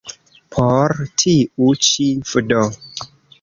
Por tiu ĉi vd.